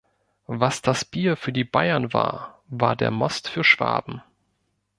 Was das Bier für die Bayern war, war der Most für Schwaben.